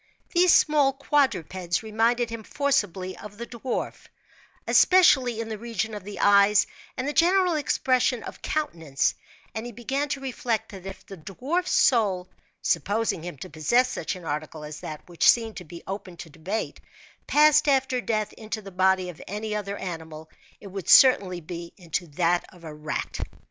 These small quadrupeds reminded him forcibly of the dwarf, especially in the region of the eyes and the general expression of countenance; and he began to reflect that if the dwarf's soul (supposing him to possess such an article as that, which seemed open to debate) passed after death into the body of any other animal, it would certainly be into that of a rat.